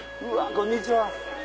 こんにちは。